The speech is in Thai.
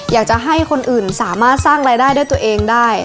อยากจะให้คนอื่นสามารถสร้างรายได้ด้วยตัวเองได้